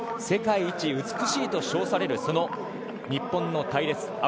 世界一美しいと称されるその日本の隊列。